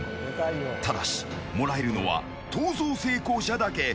ただし、もらえるのは逃走成功者だけ。